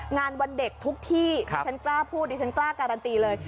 วันเด็กทุกที่ดิฉันกล้าพูดดิฉันกล้าการันตีเลย